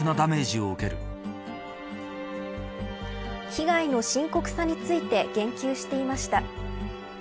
被害の深刻さについて言及していました。